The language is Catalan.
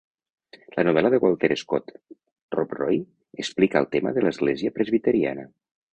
La novel·la de Walter Scott, "Rob Roy", explica el tema de l'església presbiteriana.